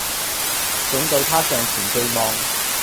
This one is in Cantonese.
總對她尚存寄望